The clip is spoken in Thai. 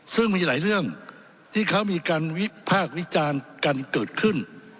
ซึ่งมีหลายเรื่องที่เขามีการวิพากษ์วิจารณ์กันเกิดขึ้น